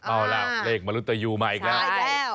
อ้าวแล้วเลขมรุตยูมาอีกแล้ว